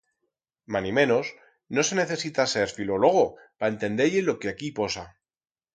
Manimenos, no se necesita ser filologo pa entender-ie lo que aquí posa.